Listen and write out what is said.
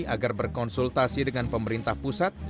agar berkonsultasi dengan pemerintah pusat